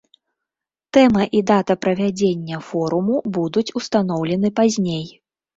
Тэма і дата правядзення форуму будуць устаноўлены пазней.